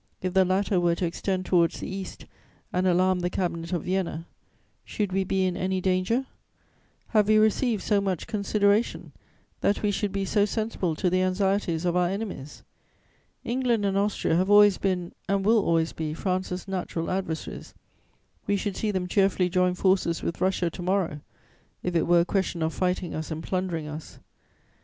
If the latter were to extend towards the East and alarm the Cabinet of Vienna, should we be in any danger? Have we received so much consideration that we should be so sensible to the anxieties of our enemies? England and Austria have always been and will always be France's natural adversaries; we should see them cheerfully join forces with Russia to morrow, if it were a question of fighting us and plundering us.